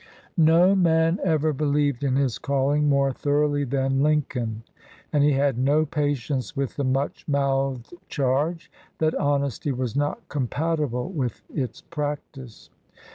No man ever believed in his calling more thoroughly than Lincoln, and he had no patience with the much mouthed charge that honesty was not compatible with its practice.